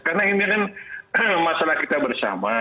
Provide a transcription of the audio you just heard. karena ini kan masalah kita bersama